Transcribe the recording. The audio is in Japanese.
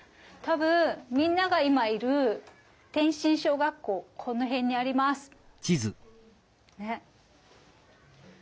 多分みんなが今いる天真小学校この辺にあります。